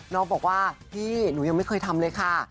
น้องบอกว่าพี่หนูยังไม่เคยทำเลยค่ะ